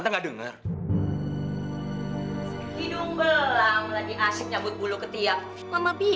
yang menarik tapi